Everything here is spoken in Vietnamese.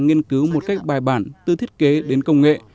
nghiên cứu một cách bài bản từ thiết kế đến công nghệ